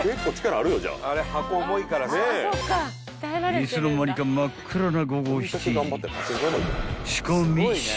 ［いつの間にか真っ暗な］